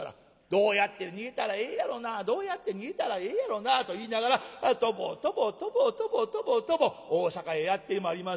「どうやって逃げたらええやろなどうやって逃げたらええやろな」と言いながらとぼとぼとぼとぼとぼとぼ大坂へやって参ります。